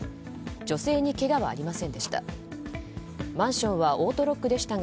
女性にけがはありませんでした。